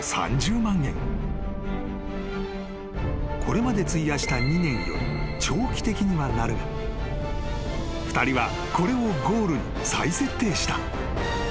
［これまで費やした２年より長期的にはなるが２人はこれをゴールに再設定した］